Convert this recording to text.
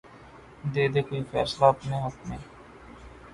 دے دے کوئی فیصلہ اپنے حق میں